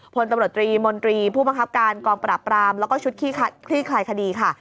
พลตำรวจตรีมนตรีผู้บังคับการกองปราบปรามแล้วก็ชุดคลี่คลายคดีค่ะ